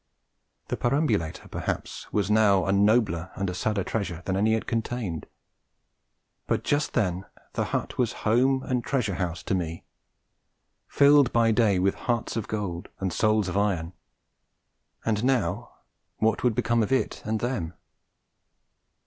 The perambulator, perhaps, was now a nobler and a sadder treasure than any it contained. But just then the hut was home and treasure house to me; filled day by day with hearts of gold and souls of iron; and now what would become of it and them!